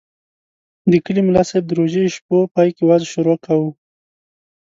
د کلي ملاصاحب د روژې شپو پای کې وعظ شروع کاوه.